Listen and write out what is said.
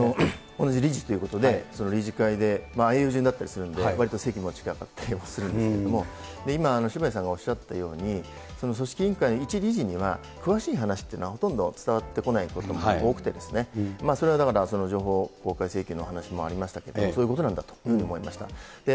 同じ理事ということで、理事会で、円陣だったりするので、わりと席も近かったりするんですけど、今、渋谷さんがおっしゃったように、組織委員会一理事には、詳しい話っていうのは、ほとんど伝わってこないことが多くて、それはだから情報公開請求の話もありましたけども、そういうことなんだと思いました。